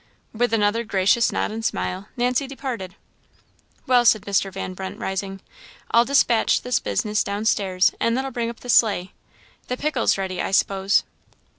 With another gracious nod and smile, Nancy departed. "Well," said Mr. Van Brunt, rising, "I'll despatch this business down stairs, and then I'll bring up the sleigh. The pickle's ready, I suppose."